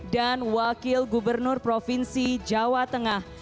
dan wakil gubernur provinsi jawa tengah